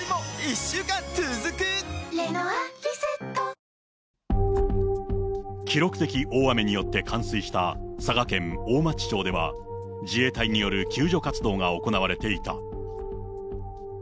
そんな中、記録的大雨によって冠水した佐賀県大町町では、自衛隊による救助活動が行われていた。